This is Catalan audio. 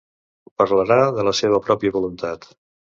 Parlarà de la seva pròpia voluntat.